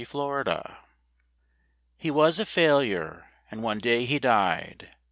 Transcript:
COMPASSION HE was a failure, and one day he died.